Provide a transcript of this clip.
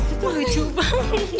itu keju bang